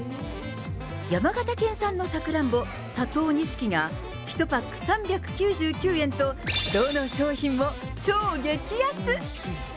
山形県産のサクランボ、佐藤錦が１パック３９９円と、どの商品も超激安。